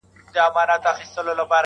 خر که هر څه په ځان غټ وو په نس موړ وو!.